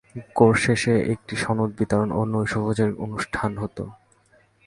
Course শেষে একটা সনদ বিতরণ ও নৈশভোজের অনুষ্ঠান হতো।